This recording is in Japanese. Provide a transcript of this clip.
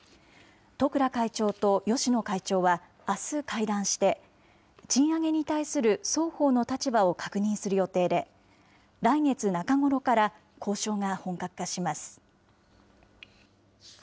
十倉会長と芳野会長はあす会談して、賃上げに対する双方の立場を確認する予定で、来月中ごろから交渉が本格化します。